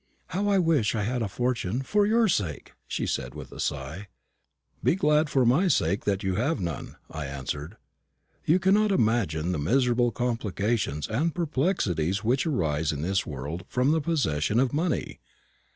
"How I wish I had a fortune, for your sake!" she said with a sigh. "Be glad for my sake that you have none," I answered. "You cannot imagine the miserable complications and perplexities which arise in this world from the possession of money.